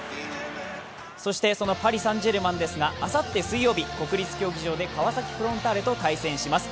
そしてそのパリ・サンジェルマンですが、あさって水曜日、国立競技場で川崎フロンターレと対戦します。